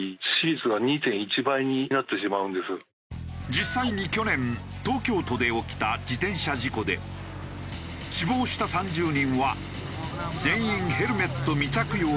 実際に去年東京都で起きた自転車事故で死亡した３０人は全員ヘルメット未着用だったという。